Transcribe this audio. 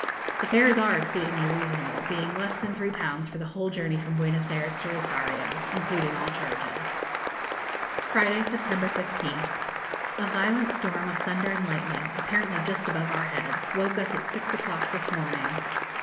The fares are exceedingly reasonable, being less than 3_l_. for the whole journey from Buenos Ayres to Rosario, including all charges. Friday, September 15th. A violent storm of thunder and lightning, apparently just above our heads, woke us at six o'clock this morning.